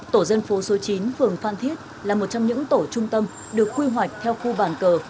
tổ dân phố số chín phường phan thiết là một trong những tổ trung tâm được quy hoạch theo khu bàn cờ